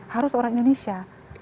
harus orang indonesia